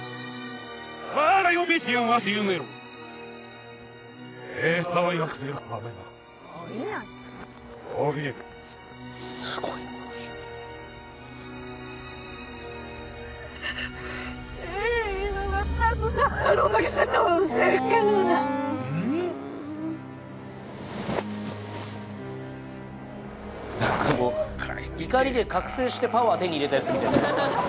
怒りで覚醒してパワー手に入れたやつみたいですね。